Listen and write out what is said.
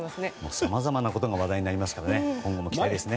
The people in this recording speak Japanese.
さまざまなことが話題になりますから期待ですね。